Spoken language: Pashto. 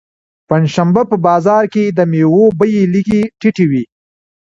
پنجشنبه په بازار کې د مېوو بیې لږې ټیټې وي.